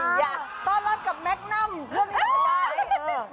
ต้อนรับกินกับแมคน่ำพวกนี้ไงฮึ